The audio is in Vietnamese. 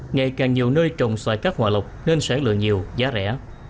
ngày càng nhiều nơi trồng xoài cá hoa lộc nên sáng lượng nhiều giá rẻ